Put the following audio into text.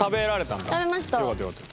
よかったよかった。